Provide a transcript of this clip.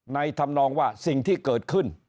ในธรรมนองว่าสิ่งที่เกิดขึ้น